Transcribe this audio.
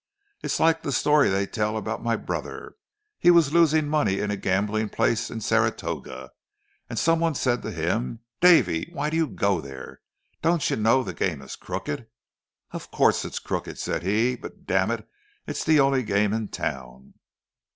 It's like the story they tell about my brother—he was losing money in a gambling place in Saratoga, and some one said to him, 'Davy, why do you go there—don't you know the game is crooked?' 'Of course it's crooked,' said he, 'but, damn it, it's the only game in town!